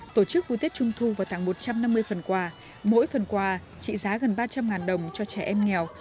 tổ chức vui tết trung thu và tặng một trăm năm mươi phần quà mỗi phần quà trị giá gần ba trăm linh đồng cho trẻ em nghèo